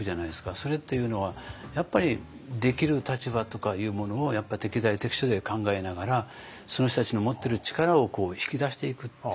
それっていうのはやっぱりできる立場とかいうものをやっぱ適材適所で考えながらその人たちの持ってる力を引き出していくっていう。